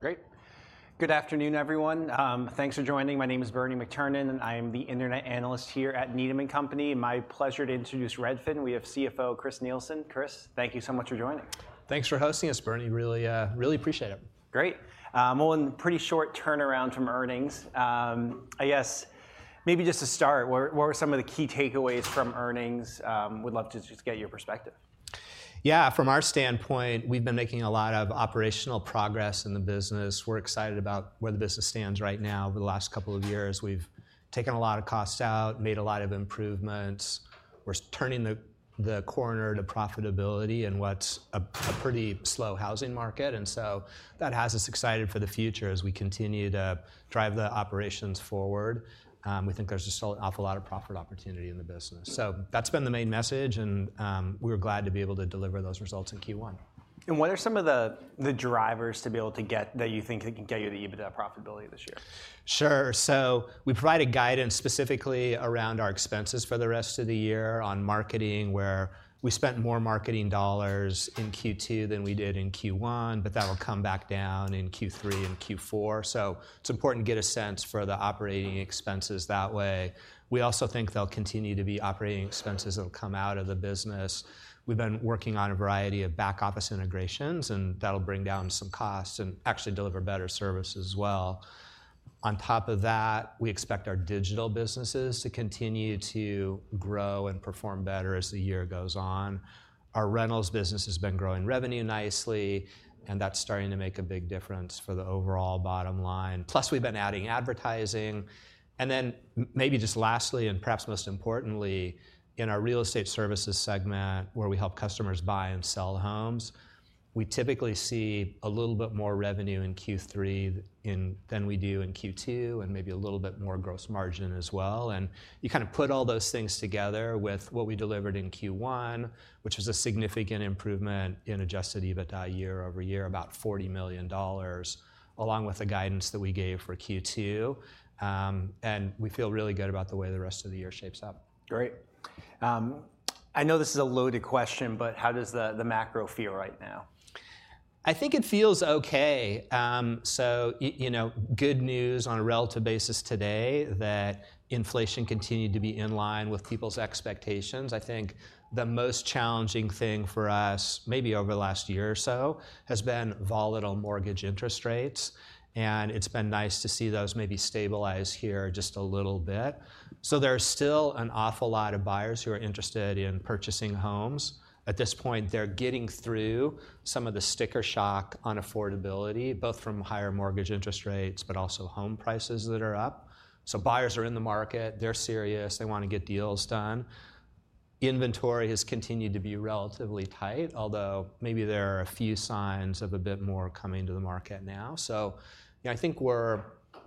Great. Good afternoon, everyone. Thanks for joining. My name is Bernie McTernan, and I am the internet analyst here at Needham & Company. My pleasure to introduce Redfin. We have CFO, Chris Nielsen. Chris, thank you so much for joining. Thanks for hosting us, Bernie. Really, really appreciate it. Great. Well, in pretty short turnaround from earnings, I guess maybe just to start, what are, what were some of the key takeaways from earnings? Would love to just get your perspective. Yeah, from our standpoint, we've been making a lot of operational progress in the business. We're excited about where the business stands right now. Over the last couple of years, we've taken a lot of costs out, made a lot of improvements. We're turning the corner to profitability in what's a pretty slow housing market, and so that has us excited for the future as we continue to drive the operations forward. We think there's just an awful lot of profit opportunity in the business. So that's been the main message, and we're glad to be able to deliver those results in Q1. What are some of the drivers to be able to get that you think can get you the EBITDA profitability this year? Sure. So we provided guidance specifically around our expenses for the rest of the year on marketing, where we spent more marketing dollars in Q2 than we did in Q1, but that'll come back down in Q3 and Q4. So it's important to get a sense for the operating expenses that way. We also think there'll continue to be operating expenses that'll come out of the business. We've been working on a variety of back office integrations, and that'll bring down some costs and actually deliver better service as well. On top of that, we expect our digital businesses to continue to grow and perform better as the year goes on. Our rentals business has been growing revenue nicely, and that's starting to make a big difference for the overall bottom line. Plus, we've been adding advertising. And then maybe just lastly, and perhaps most importantly, in our real estate services segment, where we help customers buy and sell homes, we typically see a little bit more revenue in Q3 than we do in Q2, and maybe a little bit more gross margin as well. And you kind of put all those things together with what we delivered in Q1, which is a significant improvement in Adjusted EBITDA year-over-year, about $40 million, along with the guidance that we gave for Q2. And we feel really good about the way the rest of the year shapes up. Great. I know this is a loaded question, but how does the macro feel right now? I think it feels okay. So you know, good news on a relative basis today that inflation continued to be in line with people's expectations. I think the most challenging thing for us, maybe over the last year or so, has been volatile mortgage interest rates, and it's been nice to see those maybe stabilize here just a little bit. So there are still an awful lot of buyers who are interested in purchasing homes. At this point, they're getting through some of the sticker shock on affordability, both from higher mortgage interest rates, but also home prices that are up. So buyers are in the market, they're serious, they want to get deals done. Inventory has continued to be relatively tight, although maybe there are a few signs of a bit more coming to the market now. So, you know, I think we're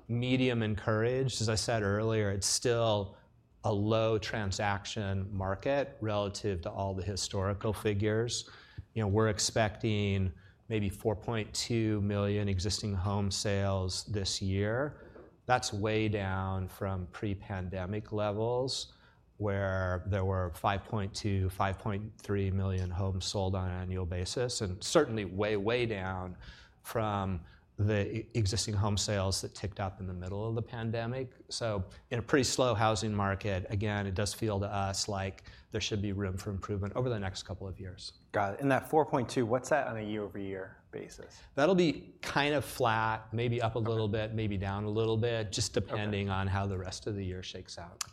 medium encouraged. As I said earlier, it's still a low transaction market relative to all the historical figures. You know, we're expecting maybe 4.2 million existing home sales this year. That's way down from pre-pandemic levels, where there were 5.2, 5.3 million homes sold on an annual basis, and certainly way, way down from the existing home sales that ticked up in the middle of the pandemic. So in a pretty slow housing market, again, it does feel to us like there should be room for improvement over the next couple of years. Got it. And that 4.2, what's that on a year-over-year basis? That'll be kind of flat, maybe up a little bit- Okay. Maybe down a little bit, just depending- Okay... on how the rest of the year shakes out.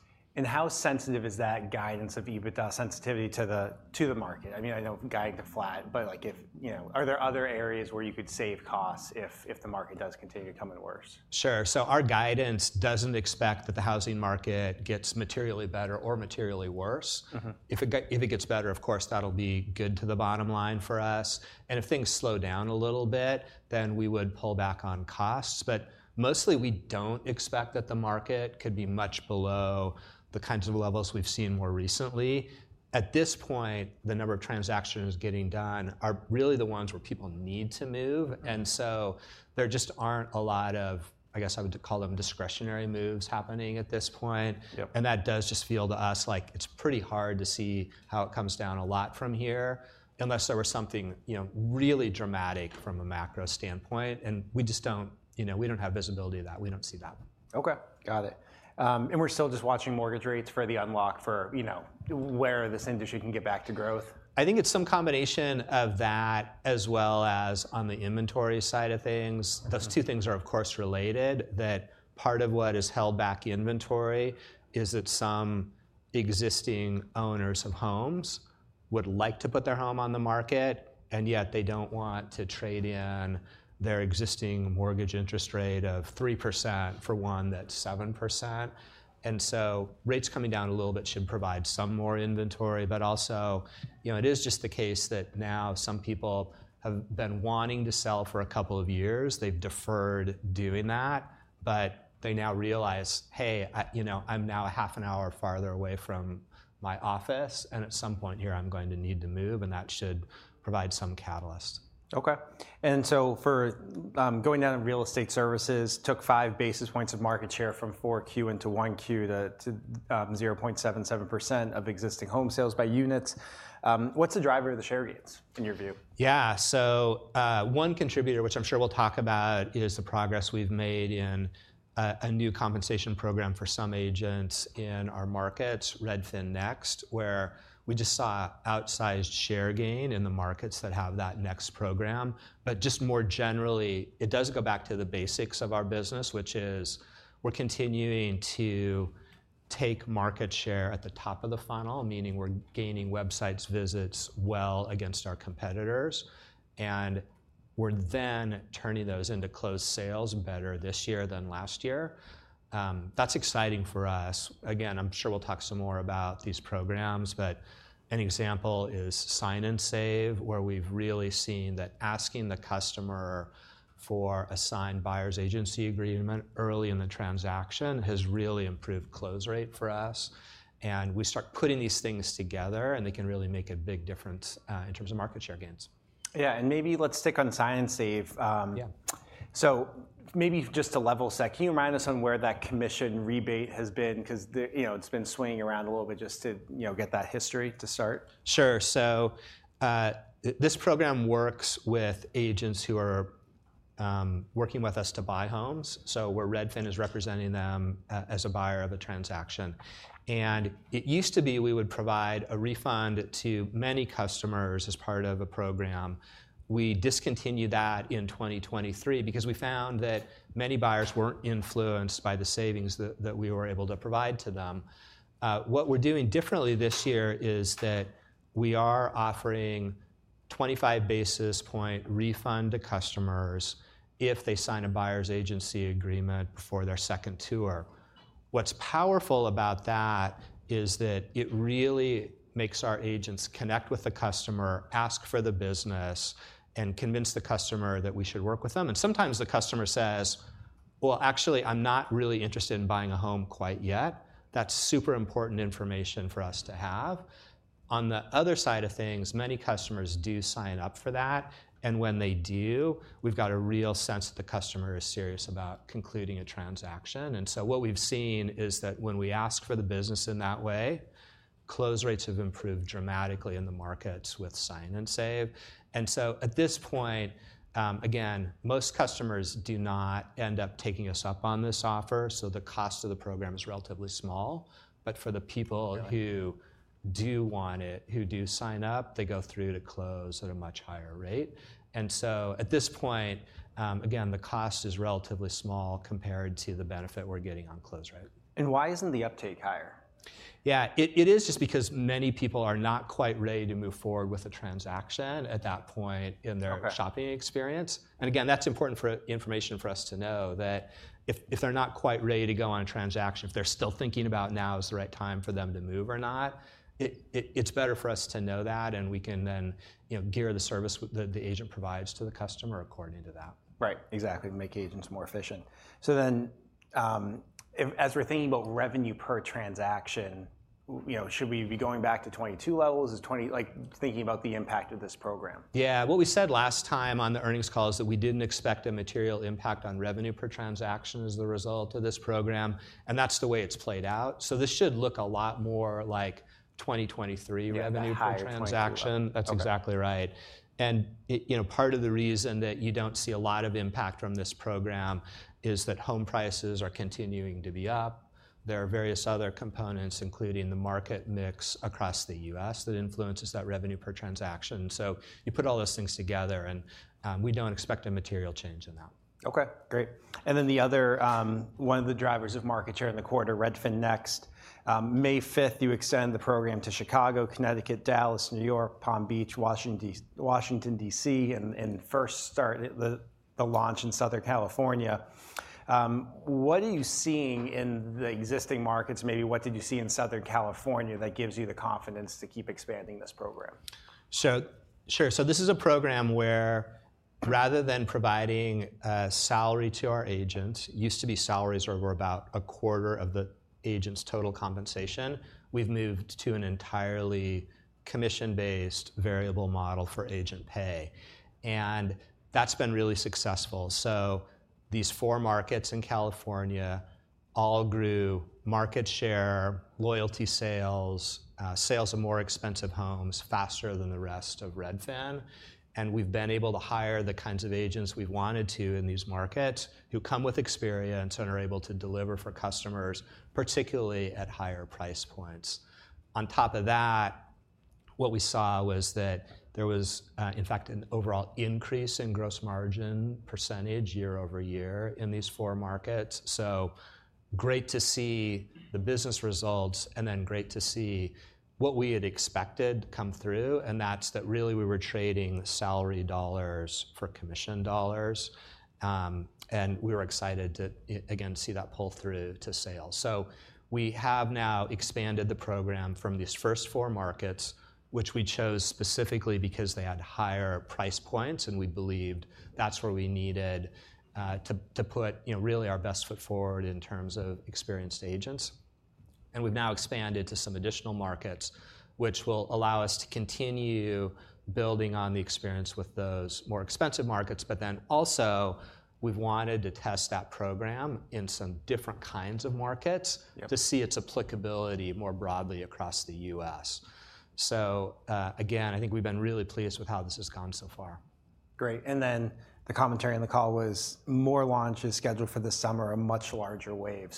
How sensitive is that guidance of EBITDA sensitivity to the market? I mean, I know guiding to flat, but like, if you know... Are there other areas where you could save costs if the market does continue to come in worse? Sure. So our guidance doesn't expect that the housing market gets materially better or materially worse. Mm-hmm. If it gets better, of course, that'll be good to the bottom line for us. And if things slow down a little bit, then we would pull back on costs. But mostly, we don't expect that the market could be much below the kinds of levels we've seen more recently. At this point, the number of transactions getting done are really the ones where people need to move. Mm-hmm. And so there just aren't a lot of, I guess I would call them discretionary moves happening at this point. Yep. That does just feel to us like it's pretty hard to see how it comes down a lot from here, unless there was something, you know, really dramatic from a macro standpoint, and we just don't... You know, we don't have visibility of that. We don't see that. Okay, got it. We're still just watching mortgage rates for the unlock for, you know, where this industry can get back to growth? I think it's some combination of that, as well as on the inventory side of things. Mm-hmm. Those two things are, of course, related, that part of what has held back inventory is that some existing owners of homes would like to put their home on the market, and yet they don't want to trade in their existing mortgage interest rate of 3% for one that's 7%. And so rates coming down a little bit should provide some more inventory, but also, you know, it is just the case that now some people have been wanting to sell for a couple of years. They've deferred doing that, but they now realize, "Hey, I, you know, I'm now a half an hour farther away from my office, and at some point here, I'm going to need to move," and that should provide some catalyst. Okay. And so for going down to real estate services, took 5 basis points of market share from 4Q into 1Q to 0.77% of existing home sales by units. What's the driver of the share gains, in your view? Yeah. So, one contributor, which I'm sure we'll talk about, is the progress we've made in a new compensation program for some agents in our markets, Redfin Next, where we just saw outsized share gain in the markets that have that Next program. But just more generally, it does go back to the basics of our business, which is we're continuing to take market share at the top of the funnel, meaning we're gaining website visits well against our competitors, and we're then turning those into closed sales better this year than last year. That's exciting for us. Again, I'm sure we'll talk some more about these programs, but an example is Sign & Save, where we've really seen that asking the customer for a signed buyer's agency agreement early in the transaction has really improved close rate for us. We start putting these things together, and they can really make a big difference in terms of market share gains. Yeah, maybe let's stick on Sign & Save. Yeah. Maybe just to level set, can you remind us on where that commission rebate has been? 'Cause, you know, it's been swinging around a little bit just to, you know, get that history to start. Sure. So, this program works with agents who are working with us to buy homes, so where Redfin is representing them as a buyer of a transaction. And it used to be we would provide a refund to many customers as part of a program. We discontinued that in 2023 because we found that many buyers weren't influenced by the savings that we were able to provide to them. What we're doing differently this year is that we are offering 25 basis point refund to customers if they sign a buyer's agency agreement before their second tour. What's powerful about that is that it really makes our agents connect with the customer, ask for the business, and convince the customer that we should work with them. Sometimes the customer says, "Well, actually, I'm not really interested in buying a home quite yet." That's super important information for us to have. On the other side of things, many customers do sign up for that, and when they do, we've got a real sense that the customer is serious about concluding a transaction. And so what we've seen is that when we ask for the business in that way, close rates have improved dramatically in the markets with Sign & Save. And so at this point, again, most customers do not end up taking us up on this offer, so the cost of the program is relatively small. But for the people- Yeah... who do want it, who do sign up, they go through to close at a much higher rate. And so at this point, again, the cost is relatively small compared to the benefit we're getting on close rate. Why isn't the uptake higher? Yeah, it is just because many people are not quite ready to move forward with a transaction at that point in their- Okay... shopping experience. Again, that's important for information for us to know that if they're not quite ready to go on a transaction, if they're still thinking about now is the right time for them to move or not, it's better for us to know that, and we can then, you know, gear the service with the agent provides to the customer according to that. Right. Exactly, make agents more efficient. So then, as we're thinking about revenue per transaction, you know, should we be going back to 22 levels, is 20...? Like, thinking about the impact of this program. Yeah. What we said last time on the earnings call is that we didn't expect a material impact on revenue per transaction as the result of this program, and that's the way it's played out. So this should look a lot more like 2023 revenue per transaction. Yeah, the higher 20 level. That's exactly right. Okay. It, you know, part of the reason that you don't see a lot of impact from this program is that home prices are continuing to be up. There are various other components, including the market mix across the U.S., that influences that revenue per transaction. You put all those things together, and we don't expect a material change in that. Okay, great. And then the other one of the drivers of market share in the quarter, Redfin Next. May fifth, you extend the program to Chicago, Connecticut, Dallas, New York, Palm Beach, Washington, D.C., and first started the launch in Southern California. What are you seeing in the existing markets? Maybe what did you see in Southern California that gives you the confidence to keep expanding this program? So sure. So this is a program where rather than providing a salary to our agents, used to be salaries were about a quarter of the agent's total compensation, we've moved to an entirely commission-based variable model for agent pay, and that's been really successful. So these four markets in California all grew market share, loyalty sales, sales of more expensive homes faster than the rest of Redfin. And we've been able to hire the kinds of agents we've wanted to in these markets, who come with experience and are able to deliver for customers, particularly at higher price points. On top of that, what we saw was that there was, in fact, an overall increase in gross margin percentage year-over-year in these four markets. So great to see the business results, and then great to see what we had expected come through, and that's that really we were trading salary dollars for commission dollars. And we were excited to again see that pull through to sales. So we have now expanded the program from these first four markets, which we chose specifically because they had higher price points, and we believed that's where we needed to put, you know, really our best foot forward in terms of experienced agents. And we've now expanded to some additional markets, which will allow us to continue building on the experience with those more expensive markets. But then also, we've wanted to test that program in some different kinds of markets. Yeah.... to see its applicability more broadly across the U.S. So, again, I think we've been really pleased with how this has gone so far. Great. And then the commentary on the call was more launches scheduled for this summer, a much larger wave.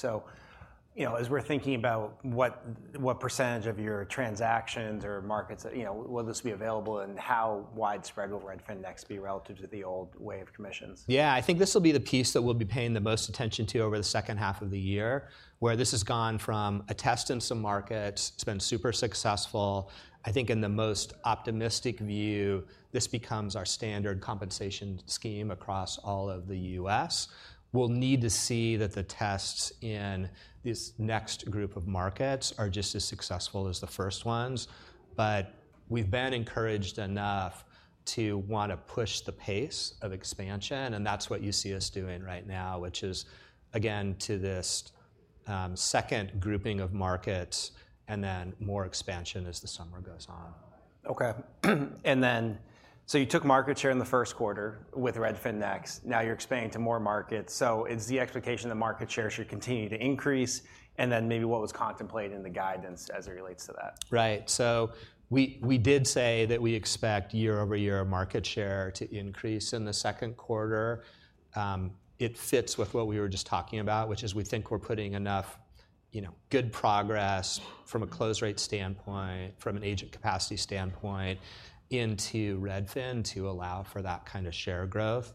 You know, as we're thinking about what, what percentage of your transactions or markets, you know, will this be available, and how widespread will Redfin Next be relative to the old way of commissions? Yeah, I think this will be the piece that we'll be paying the most attention to over the second half of the year, where this has gone from a test in some markets. It's been super successful. I think in the most optimistic view, this becomes our standard compensation scheme across all of the U.S. We'll need to see that the tests in this next group of markets are just as successful as the first ones. But we've been encouraged enough to wanna push the pace of expansion, and that's what you see us doing right now, which is, again, to this, second grouping of markets, and then more expansion as the summer goes on. Okay. You took market share in the first quarter with Redfin Next. Now you're expanding to more markets. It's the expectation that market share should continue to increase, and then maybe what was contemplated in the guidance as it relates to that? Right. So we, we did say that we expect year-over-year market share to increase in the second quarter. It fits with what we were just talking about, which is we think we're putting enough, you know, good progress from a close rate standpoint, from an agent capacity standpoint, into Redfin to allow for that kind of share growth.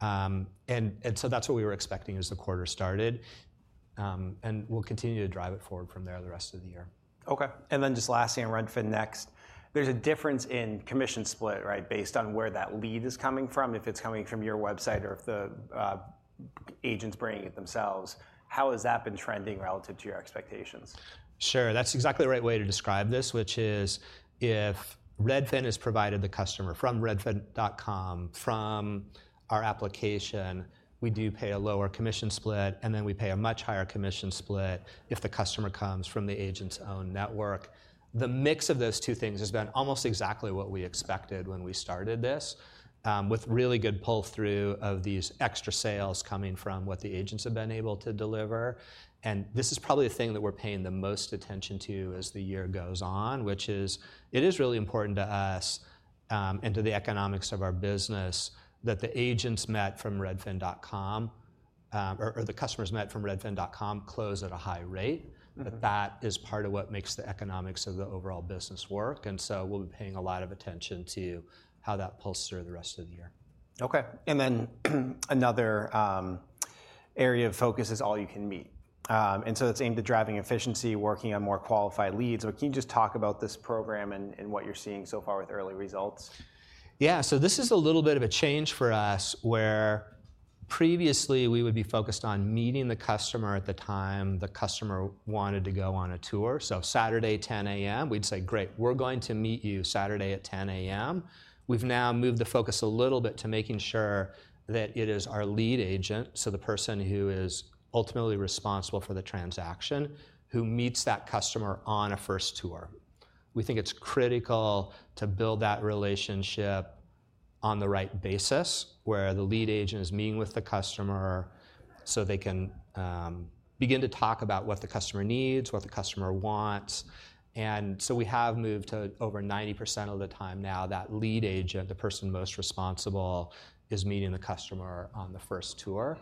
And so that's what we were expecting as the quarter started. And we'll continue to drive it forward from there the rest of the year. Okay. And then just lastly, on Redfin Next, there's a difference in commission split, right, based on where that lead is coming from, if it's coming from your website or if the agent's bringing it themselves. How has that been trending relative to your expectations? Sure. That's exactly the right way to describe this, which is, if Redfin has provided the customer from redfin.com, from our application, we do pay a lower commission split, and then we pay a much higher commission split if the customer comes from the agent's own network. The mix of those two things has been almost exactly what we expected when we started this, with really good pull-through of these extra sales coming from what the agents have been able to deliver. This is probably the thing that we're paying the most attention to as the year goes on, which is, it is really important to us, and to the economics of our business, that the agents met from redfin.com, or the customers met from redfin.com close at a high rate. Mm-hmm. That is part of what makes the economics of the overall business work, and so we'll be paying a lot of attention to how that pulls through the rest of the year. Okay. And then, another area of focus is All-You-Can-Meet. And so it's aimed at driving efficiency, working on more qualified leads. But can you just talk about this program and what you're seeing so far with early results? Yeah. So this is a little bit of a change for us, where previously we would be focused on meeting the customer at the time the customer wanted to go on a tour. So Saturday, 10:00 A.M., we'd say: "Great, we're going to meet you Saturday at 10:00 A.M." We've now moved the focus a little bit to making sure that it is our lead agent, so the person who is ultimately responsible for the transaction, who meets that customer on a first tour. We think it's critical to build that relationship on the right basis, where the lead agent is meeting with the customer, so they can begin to talk about what the customer needs, what the customer wants. And so we have moved to over 90% of the time now, that lead agent, the person most responsible, is meeting the customer on the first tour.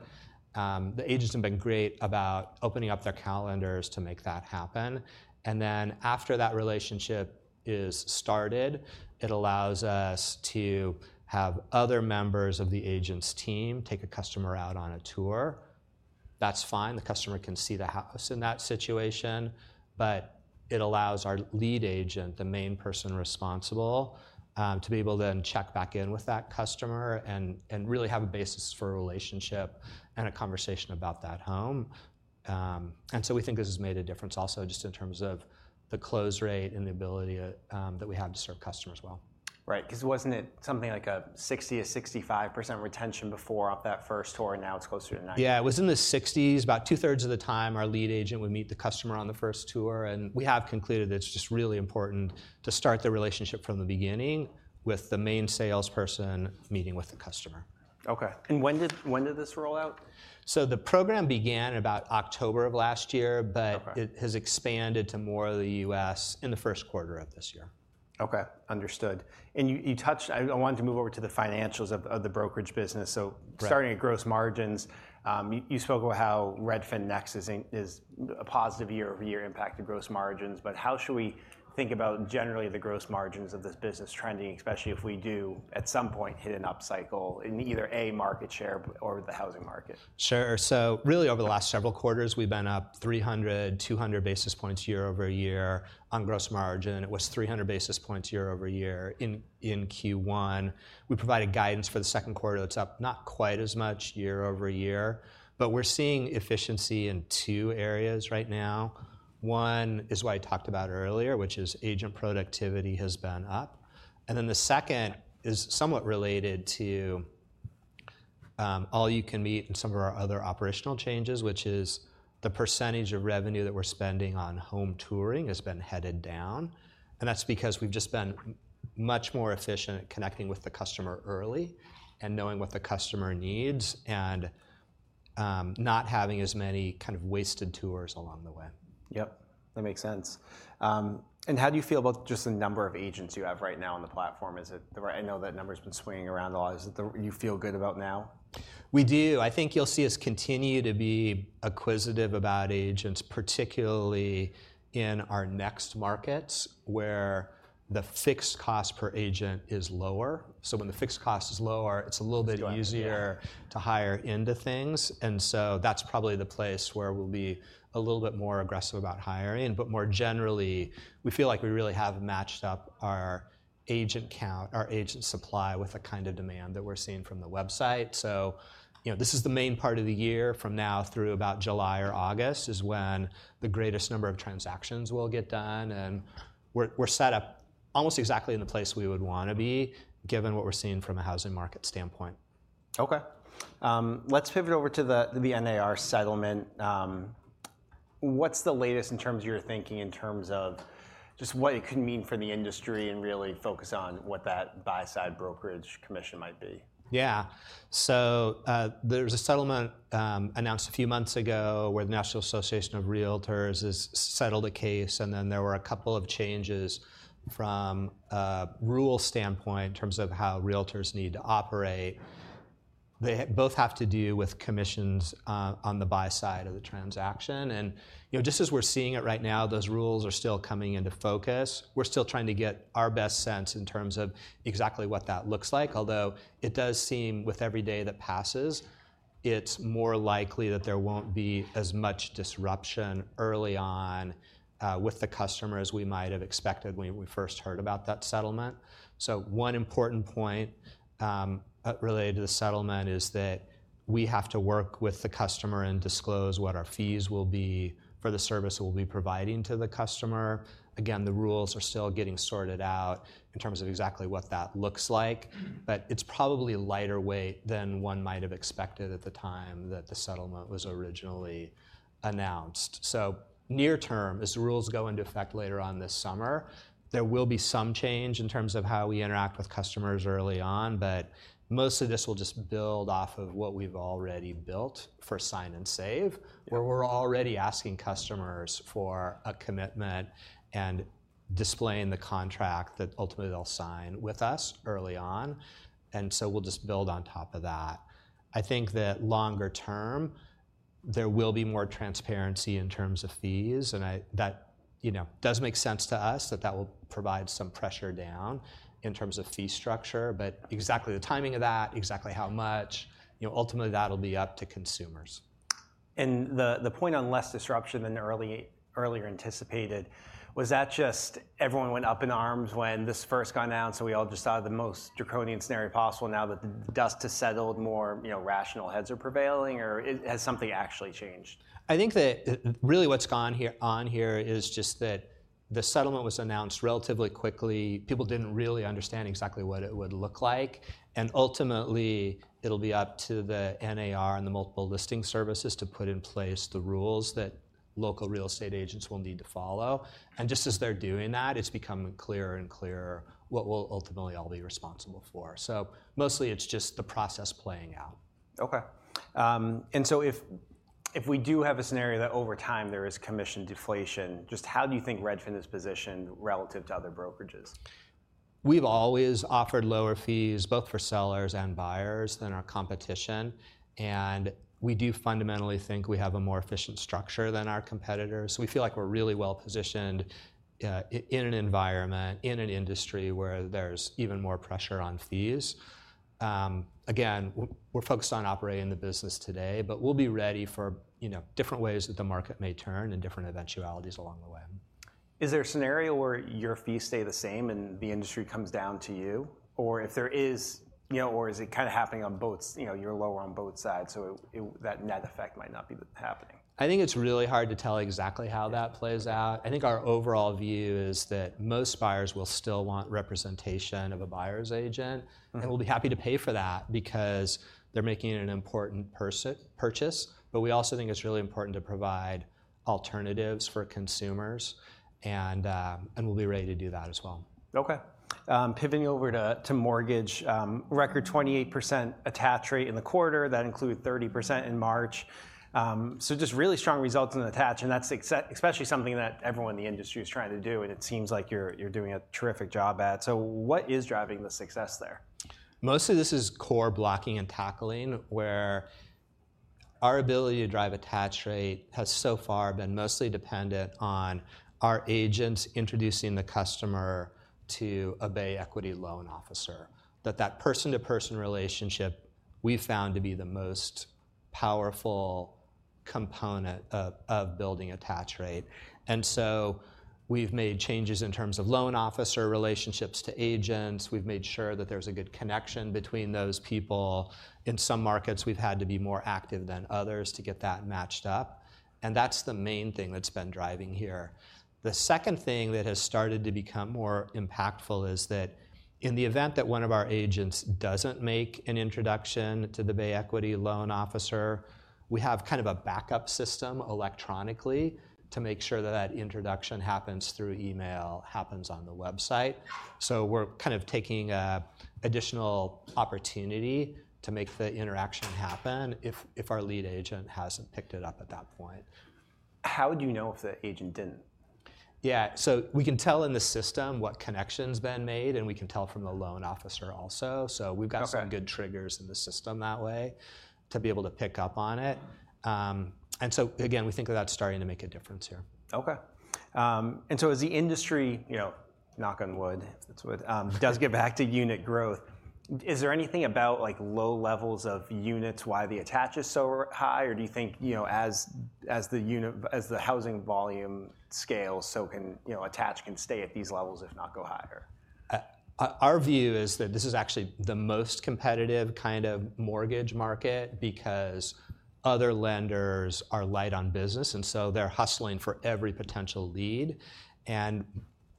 The agents have been great about opening up their calendars to make that happen. And then, after that relationship is started, it allows us to have other members of the agent's team take a customer out on a tour. That's fine. The customer can see the house in that situation, but it allows our lead agent, the main person responsible, to be able to then check back in with that customer and really have a basis for a relationship and a conversation about that home. And so we think this has made a difference also just in terms of the close rate and the ability that we have to serve customers well. Right, 'cause wasn't it something like a 60%-65% retention before off that first tour, and now it's closer to 90%? Yeah, it was in the 60s. About 2/3 of the time, our lead agent would meet the customer on the first tour, and we have concluded that it's just really important to start the relationship from the beginning with the main salesperson meeting with the customer. Okay. And when did this roll out? So the program began about October of last year- Okay. but it has expanded to more of the U.S. in the first quarter of this year. Okay, understood. You touched... I wanted to move over to the financials of the brokerage business. Right. So starting at gross margins, you spoke about how Redfin Next is a positive year-over-year impact to gross margins. But how should we think about generally the gross margins of this business trending, especially if we do, at some point, hit an upcycle in either, A, market share, or the housing market? Sure. So really, over the last several quarters, we've been up 300, 200 basis points year-over-year on gross margin. It was 300 basis points year-over-year in Q1. We provided guidance for the second quarter that's up not quite as much year-over-year. But we're seeing efficiency in two areas right now. One is what I talked about earlier, which is agent productivity has been up. And then the second is somewhat related to All-You-Can-Meet and some of our other operational changes, which is the percentage of revenue that we're spending on home touring has been headed down, and that's because we've just been much more efficient at connecting with the customer early and knowing what the customer needs, and not having as many kind of wasted tours along the way.... Yep, that makes sense. And how do you feel about just the number of agents you have right now on the platform? I know that number's been swinging around a lot. Is it the one you feel good about now? We do. I think you'll see us continue to be acquisitive about agents, particularly in our next markets, where the fixed cost per agent is lower. So when the fixed cost is lower, it's a little bit easier- It's doing, yeah. to hire into things, and so that's probably the place where we'll be a little bit more aggressive about hiring. But more generally, we feel like we really have matched up our agent count, our agent supply with the kind of demand that we're seeing from the website. So, you know, this is the main part of the year. From now through about July or August is when the greatest number of transactions will get done, and we're set up almost exactly in the place we would wanna be, given what we're seeing from a housing market standpoint. Okay. Let's pivot over to the, the NAR settlement. What's the latest in terms of your thinking, in terms of just what it could mean for the industry, and really focus on what that buy-side brokerage commission might be? Yeah. So, there was a settlement announced a few months ago, where the National Association of Realtors has settled a case, and then there were a couple of changes from a rule standpoint in terms of how realtors need to operate. They both have to do with commissions on the buy side of the transaction. And, you know, just as we're seeing it right now, those rules are still coming into focus. We're still trying to get our best sense in terms of exactly what that looks like, although it does seem, with every day that passes, it's more likely that there won't be as much disruption early on with the customer as we might have expected when we first heard about that settlement. So one important point related to the settlement is that we have to work with the customer and disclose what our fees will be for the service that we'll be providing to the customer. Again, the rules are still getting sorted out in terms of exactly what that looks like, but it's probably lighter weight than one might have expected at the time that the settlement was originally announced. So near term, as the rules go into effect later on this summer, there will be some change in terms of how we interact with customers early on, but most of this will just build off of what we've already built for Sign & Save- Yeah.... where we're already asking customers for a commitment and displaying the contract that ultimately they'll sign with us early on. And so we'll just build on top of that. I think that longer term, there will be more transparency in terms of fees, and I... That, you know, does make sense to us that that will provide some pressure down in terms of fee structure, but exactly the timing of that, exactly how much, you know, ultimately that'll be up to consumers. The point on less disruption than earlier anticipated, was that just everyone went up in arms when this first got announced, so we all just thought of the most draconian scenario possible? Now that the dust has settled, more, you know, rational heads are prevailing, or has something actually changed? I think that really what's going on here is just that the settlement was announced relatively quickly. People didn't really understand exactly what it would look like, and ultimately, it'll be up to the NAR and the Multiple Listing Services to put in place the rules that local real estate agents will need to follow. And just as they're doing that, it's becoming clearer and clearer what we'll ultimately all be responsible for. So mostly, it's just the process playing out. Okay. And so if we do have a scenario that over time there is commission deflation, just how do you think Redfin is positioned relative to other brokerages? We've always offered lower fees, both for sellers and buyers, than our competition, and we do fundamentally think we have a more efficient structure than our competitors. We feel like we're really well-positioned in an environment, in an industry where there's even more pressure on fees. Again, we're focused on operating the business today, but we'll be ready for, you know, different ways that the market may turn and different eventualities along the way. Is there a scenario where your fees stay the same, and the industry comes down to you? Or if there is, you know, or is it kind of happening on both? You know, you're lower on both sides, so it, that net effect might not be happening. I think it's really hard to tell exactly how that plays out. I think our overall view is that most buyers will still want representation of a buyer's agent- Mm-hmm.... and will be happy to pay for that because they're making an important purchase. But we also think it's really important to provide alternatives for consumers, and and we'll be ready to do that as well. Okay. Pivoting over to mortgage, record 28% attach rate in the quarter, that included 30% in March. So just really strong results in attach, and that's especially something that everyone in the industry is trying to do, and it seems like you're doing a terrific job at it. So what is driving the success there? Mostly, this is core blocking and tackling, where our ability to drive attach rate has so far been mostly dependent on our agents introducing the customer to a Bay Equity loan officer. That person-to-person relationship we've found to be the most powerful component of building attach rate. And so we've made changes in terms of loan officer relationships to agents. We've made sure that there's a good connection between those people. In some markets, we've had to be more active than others to get that matched up, and that's the main thing that's been driving here. The second thing that has started to become more impactful is that in the event that one of our agents doesn't make an introduction to the Bay Equity loan officer, we have kind of a backup system electronically to make sure that introduction happens through email, happens on the website. We're kind of taking an additional opportunity to make the interaction happen if, if our lead agent hasn't picked it up at that point. How would you know if the agent didn't?... Yeah, so we can tell in the system what connection's been made, and we can tell from the loan officer also. Okay. So we've got some good triggers in the system that way to be able to pick up on it. And so again, we think that that's starting to make a difference here. Okay. And so as the industry, you know, knock on wood, does get back to unit growth, is there anything about, like, low levels of units why the attach is so high? Or do you think, you know, as the housing volume scales, so can, you know, attach can stay at these levels, if not go higher? Our view is that this is actually the most competitive kind of mortgage market because other lenders are light on business, and so they're hustling for every potential lead. You know,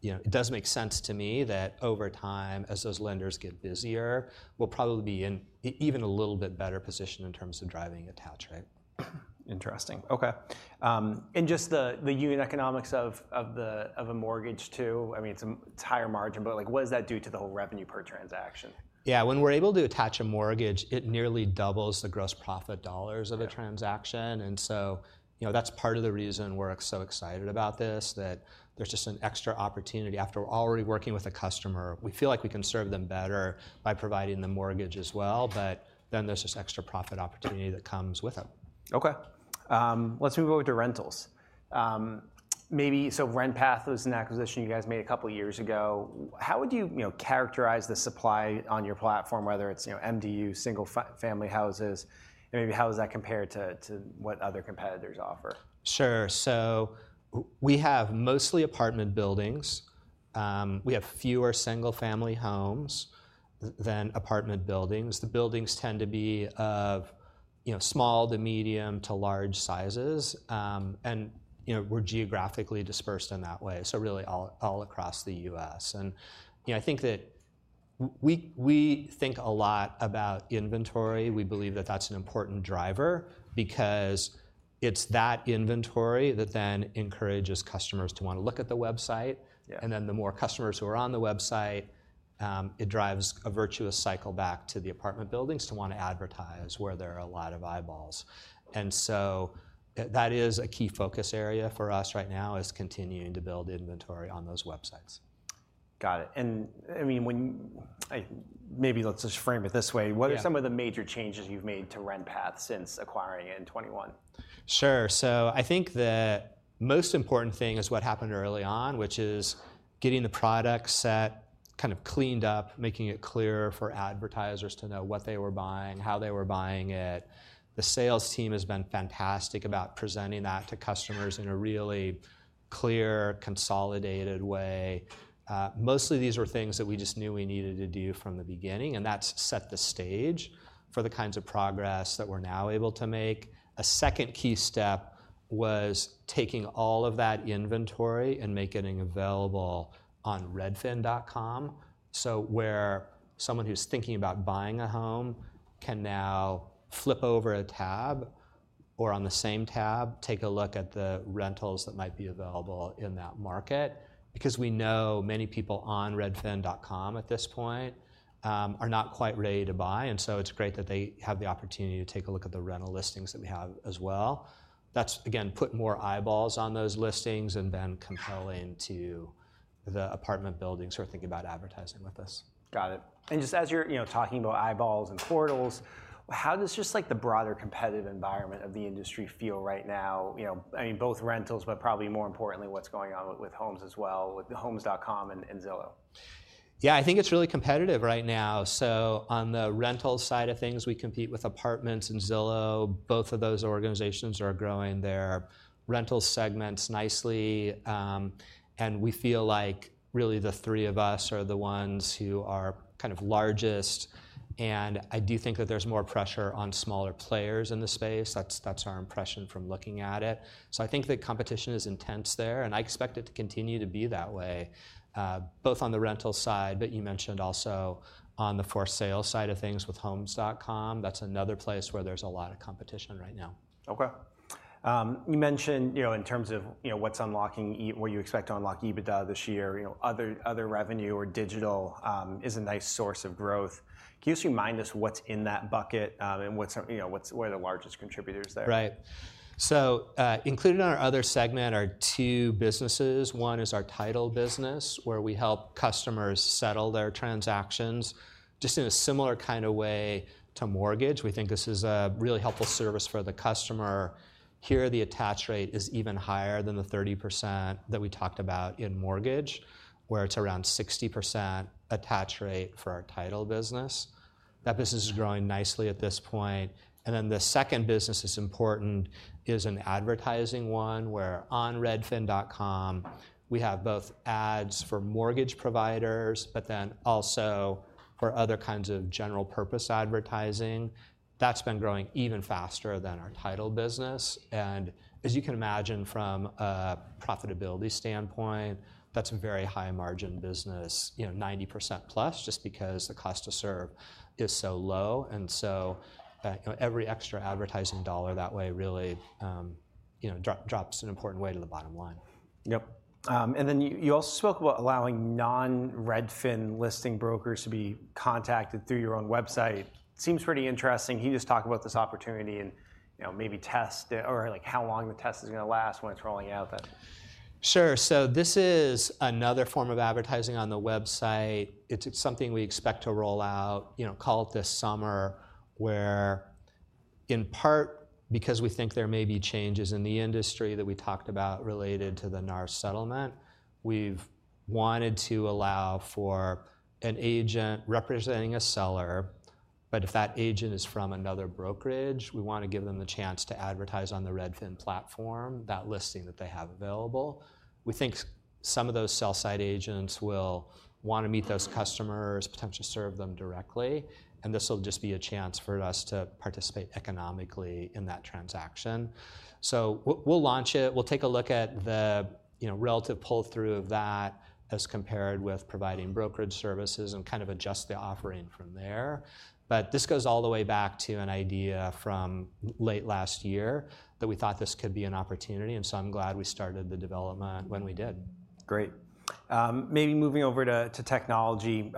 it does make sense to me that over time, as those lenders get busier, we'll probably be in even a little bit better position in terms of driving attach rate. Interesting. Okay. And just the unit economics of a mortgage, too. I mean, it's a higher margin, but, like, what does that do to the whole revenue per transaction? Yeah. When we're able to attach a mortgage, it nearly doubles the gross profit dollars- Yeah... of a transaction. And so, you know, that's part of the reason we're so excited about this, that there's just an extra opportunity. After already working with a customer, we feel like we can serve them better by providing the mortgage as well, but then there's this extra profit opportunity that comes with it. Okay. Let's move over to rentals. Maybe, so RentPath was an acquisition you guys made a couple years ago. How would you, you know, characterize the supply on your platform, whether it's, you know, MDU, single family houses, and maybe how does that compare to what other competitors offer? Sure. So we have mostly apartment buildings. We have fewer single-family homes than apartment buildings. The buildings tend to be of, you know, small to medium to large sizes, and, you know, we're geographically dispersed in that way, so really all across the U.S. And, you know, I think that we, we think a lot about inventory. We believe that that's an important driver because it's that inventory that then encourages customers to wanna look at the website. Yeah. And then, the more customers who are on the website, it drives a virtuous cycle back to the apartment buildings to wanna advertise where there are a lot of eyeballs. And so, that is a key focus area for us right now, is continuing to build inventory on those websites. Got it. And, I mean, maybe let's just frame it this way. Yeah. What are some of the major changes you've made to RentPath since acquiring it in 2021? Sure. So I think the most important thing is what happened early on, which is getting the product set kind of cleaned up, making it clearer for advertisers to know what they were buying, how they were buying it. The sales team has been fantastic about presenting that to customers in a really clear, consolidated way. Mostly, these were things that we just knew we needed to do from the beginning, and that's set the stage for the kinds of progress that we're now able to make. A second key step was taking all of that inventory and making it available on redfin.com. So where someone who's thinking about buying a home can now flip over a tab or, on the same tab, take a look at the rentals that might be available in that market. Because we know many people on redfin.com at this point, are not quite ready to buy, and so it's great that they have the opportunity to take a look at the rental listings that we have as well. That's, again, put more eyeballs on those listings and then compelling to the apartment buildings who are thinking about advertising with us. Got it. And just as you're, you know, talking about eyeballs and portals, how does just, like, the broader competitive environment of the industry feel right now? You know, I mean, both rentals, but probably more importantly, what's going on with, with homes as well, with the Homes.com and, and Zillow? Yeah, I think it's really competitive right now. So on the rental side of things, we compete with Apartments and Zillow. Both of those organizations are growing their rental segments nicely, and we feel like really the three of us are the ones who are kind of largest. And I do think that there's more pressure on smaller players in the space. That's our impression from looking at it. So I think the competition is intense there, and I expect it to continue to be that way, both on the rental side, but you mentioned also on the for-sale side of things with Homes.com. That's another place where there's a lot of competition right now. Okay. You mentioned, you know, in terms of, you know, what you expect to unlock EBITDA this year, you know, other revenue or digital is a nice source of growth. Can you just remind us what's in that bucket, and what's, you know, what are the largest contributors there? Right. So, included in our other segment are two businesses. One is our title business, where we help customers settle their transactions, just in a similar kind of way to mortgage. We think this is a really helpful service for the customer. Here, the attach rate is even higher than the 30% that we talked about in mortgage, where it's around 60% attach rate for our title business. That business is growing nicely at this point. And then, the second business is important, is an advertising one, where on redfin.com, we have both ads for mortgage providers, but then also for other kinds of general purpose advertising. That's been growing even faster than our title business. And as you can imagine from a profitability standpoint, that's a very high-margin business, you know, 90%+, just because the cost to serve is so low. And so, you know, every extra advertising dollar that way really, you know, drops an important way to the bottom line. Yep. And then you also spoke about allowing non-Redfin listing brokers to be contacted through your own website. Seems pretty interesting. Can you just talk about this opportunity and, you know, maybe test it, or, like, how long the test is gonna last when it's rolling out then? Sure. So this is another form of advertising on the website. It's something we expect to roll out, you know, call it this summer, where in part, because we think there may be changes in the industry that we talked about related to the NAR settlement, we've wanted to allow for an agent representing a seller, but if that agent is from another brokerage, we wanna give them the chance to advertise on the Redfin platform, that listing that they have available. We think some of those sell side agents will wanna meet those customers, potentially serve them directly, and this will just be a chance for us to participate economically in that transaction. So we'll launch it. We'll take a look at the, you know, relative pull-through of that as compared with providing brokerage services and kind of adjust the offering from there. But this goes all the way back to an idea from late last year, that we thought this could be an opportunity, and so I'm glad we started the development when we did. Great. Maybe moving over to technology.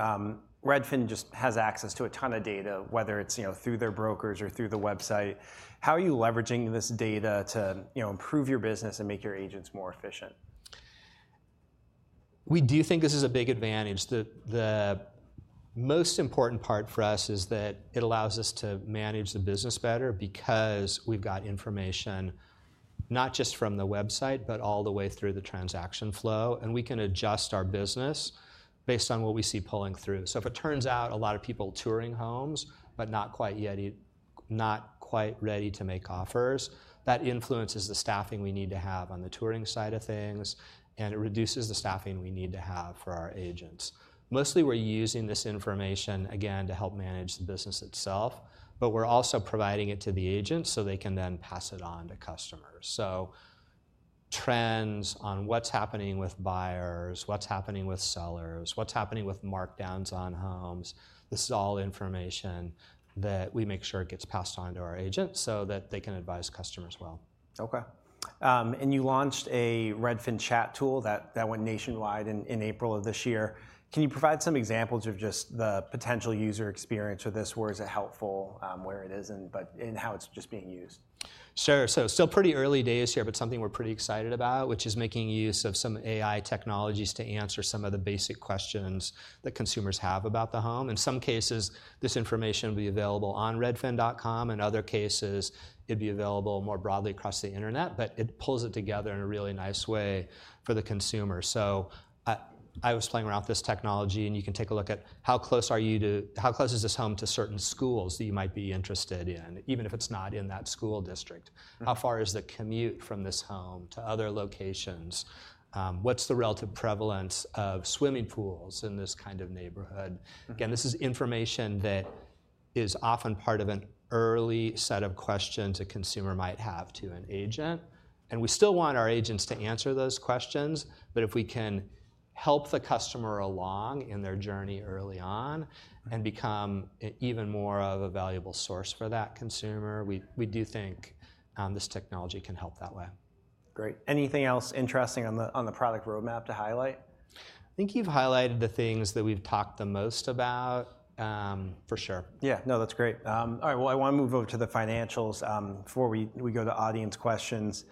Redfin just has access to a ton of data, whether it's, you know, through their brokers or through the website. How are you leveraging this data to, you know, improve your business and make your agents more efficient? We do think this is a big advantage. The most important part for us is that it allows us to manage the business better because we've got information, not just from the website, but all the way through the transaction flow, and we can adjust our business based on what we see pulling through. So if it turns out a lot of people touring homes, but not quite yet not quite ready to make offers, that influences the staffing we need to have on the touring side of things, and it reduces the staffing we need to have for our agents. Mostly, we're using this information, again, to help manage the business itself, but we're also providing it to the agents so they can then pass it on to customers. Trends on what's happening with buyers, what's happening with sellers, what's happening with markdowns on homes, this is all information that we make sure it gets passed on to our agents so that they can advise customers well. Okay. And you launched a Redfin chat tool that went nationwide in April of this year. Can you provide some examples of just the potential user experience with this? Where is it helpful, where it isn't, but and how it's just being used? Sure. So still pretty early days here, but something we're pretty excited about, which is making use of some AI technologies to answer some of the basic questions that consumers have about the home. In some cases, this information will be available on redfin.com, in other cases, it'd be available more broadly across the internet, but it pulls it together in a really nice way for the consumer. So I, I was playing around with this technology, and you can take a look at how close are you to... how close is this home to certain schools that you might be interested in, even if it's not in that school district. Right. How far is the commute from this home to other locations? What's the relative prevalence of swimming pools in this kind of neighborhood? Mm-hmm. Again, this is information that is often part of an early set of questions a consumer might have to an agent, and we still want our agents to answer those questions, but if we can help the customer along in their journey early on- Right... and become even more of a valuable source for that consumer, we do think this technology can help that way. Great. Anything else interesting on the product roadmap to highlight? I think you've highlighted the things that we've talked the most about, for sure. Yeah. No, that's great. All right, well, I wanna move over to the financials before we go to audience questions.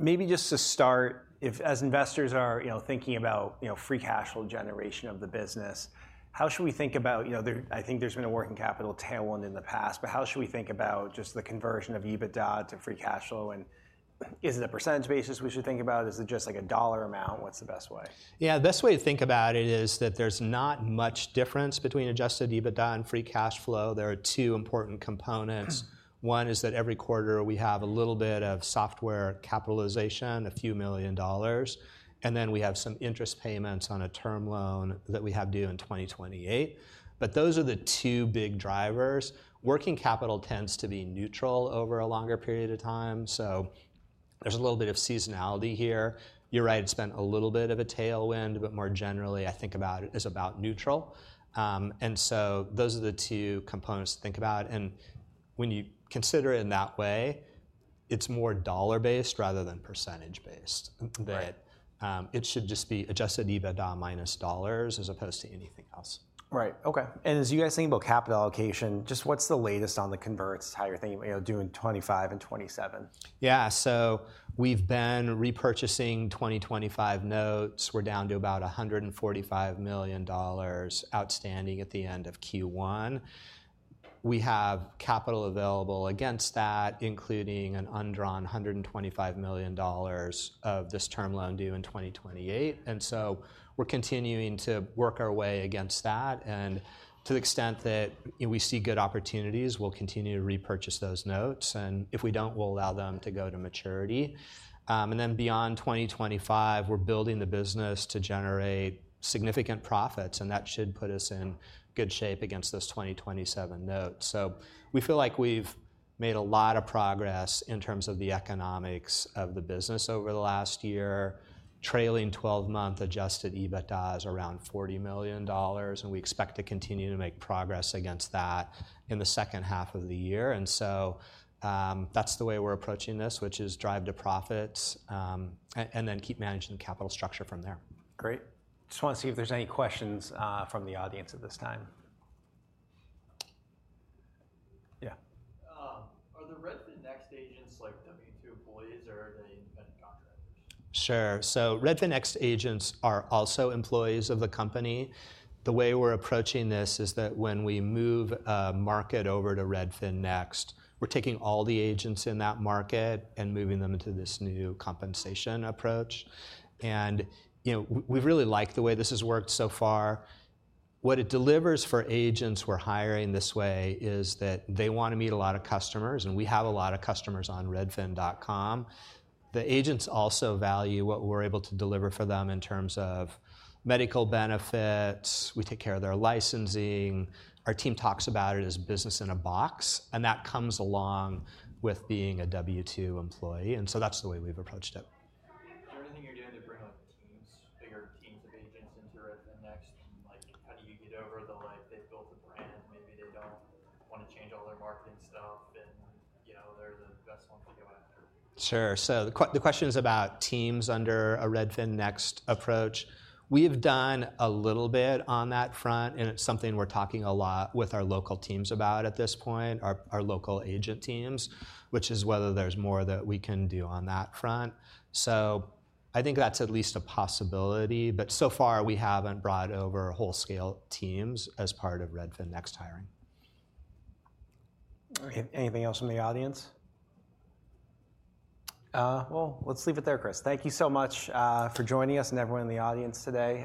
Maybe just to start, if as investors are, you know, thinking about, you know, free cash flow generation of the business, how should we think about, you know, I think there's been a working capital tailwind in the past, but how should we think about just the conversion of EBITDA to free cash flow, and is it a percentage basis we should think about? Is it just like a dollar amount? What's the best way? Yeah, the best way to think about it is that there's not much difference between Adjusted EBITDA and free cash flow. There are two important components. Mm. One is that every quarter, we have a little bit of software capitalization, a few million dollars, and then we have some interest payments on a term loan that we have due in 2028. But those are the two big drivers. Working capital tends to be neutral over a longer period of time, so there's a little bit of seasonality here. You're right, it's been a little bit of a tailwind, but more generally, I think about it, it's about neutral. And so those are the two components to think about, and when you consider it in that way, it's more dollar-based rather than percentage based. Right. That, it should just be Adjusted EBITDA minus dollars as opposed to anything else. Right. Okay, and as you guys think about capital allocation, just what's the latest on the converts, how you're thinking, you know, doing 2025 and 2027? Yeah. So we've been repurchasing 2025 notes. We're down to about $145 million outstanding at the end of Q1. We have capital available against that, including an undrawn $125 million of this term loan due in 2028, and so we're continuing to work our way against that, and to the extent that, you know, we see good opportunities, we'll continue to repurchase those notes, and if we don't, we'll allow them to go to maturity. And then beyond 2025, we're building the business to generate significant profits, and that should put us in good shape against those 2027 notes. So we feel like we've made a lot of progress in terms of the economics of the business over the last year. Trailing twelve-month Adjusted EBITDA is around $40 million, and we expect to continue to make progress against that in the second half of the year. And so, that's the way we're approaching this, which is drive to profit, and then keep managing the capital structure from there. Great. Just wanna see if there's any questions, from the audience at this time. Yeah? Are the Redfin Next agents like W-2 employees, or are they independent contractors? Sure. So Redfin Next agents are also employees of the company. The way we're approaching this is that when we move a market over to Redfin Next, we're taking all the agents in that market and moving them into this new compensation approach. And, you know, we really like the way this has worked so far. What it delivers for agents we're hiring this way is that they wanna meet a lot of customers, and we have a lot of customers on redfin.com. The agents also value what we're able to deliver for them in terms of medical benefits. We take care of their licensing. Our team talks about it as business in a box, and that comes along with being a W-2 employee, and so that's the way we've approached it. Sorry. Is there anything you're doing to bring on teams, bigger teams of agents into Redfin Next? And like, how do you get over the line? They've built a brand. Maybe they don't wanna change all their marketing stuff, and, you know, they're the best ones to go after. Sure. So the question is about teams under a Redfin Next approach. We've done a little bit on that front, and it's something we're talking a lot with our local teams about at this point, our local agent teams, which is whether there's more that we can do on that front. So I think that's at least a possibility, but so far we haven't brought over wholesale teams as part of Redfin Next hiring. Anything else from the audience? Well, let's leave it there, Chris. Thank you so much for joining us and everyone in the audience today.